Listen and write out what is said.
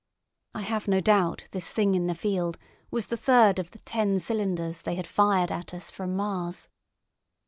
I have no doubt this Thing in the field was the third of the ten cylinders they had fired at us from Mars.